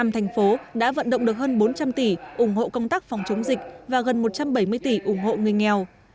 năm thành phố đã vận động được hơn bốn trăm linh tỷ ủng hộ công tác phòng chống dịch và gần một trăm bảy mươi tỷ ủng hộ người nghèo